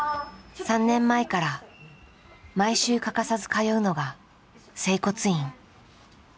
３年前から毎週欠かさず通うのが整骨院。